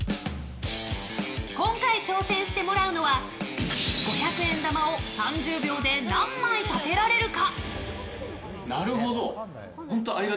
今回挑戦してもらうのは五百円玉を３０秒で何枚立てられるか。